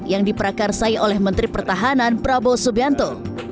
yang diprakarsai oleh menteri pertahanan prabowo subianto